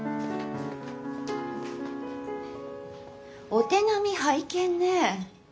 お手並み拝見ね。